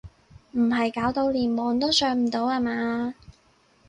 唔係搞到連網都上唔到呀嘛？